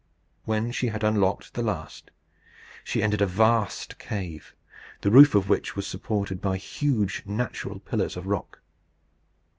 When she had unlocked the last, she entered a vast cave, the roof of which was supported by huge natural pillars of rock.